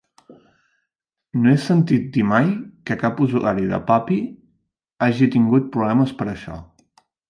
No he sentit dir mai que cap usuari de Puppy hagi tingut problemes per això.